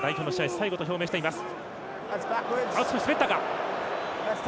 最後と表明しています。